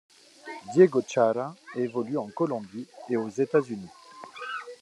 Diego Chará évolue en Colombie et aux États-Unis.